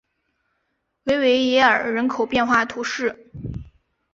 维维耶尔人口变化图示